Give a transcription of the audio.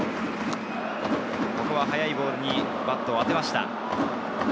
速いボールにバットを当てました。